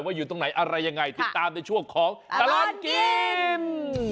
อยู่ตรงไหนอะไรยังไงติดตามในช่วงของตลอดกิน